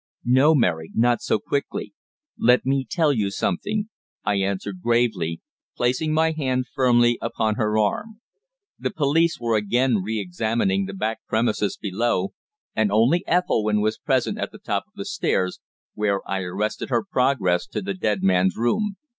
"No, Mary, not so quickly. Let me tell you something," I answered gravely, placing my hand firmly upon her arm. The police were again re examining the back premises below, and only Ethelwynn was present at the top of the stairs, where I arrested her progress to the dead man's room.